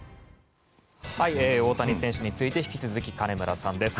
大谷選手について引き続き金村さんです。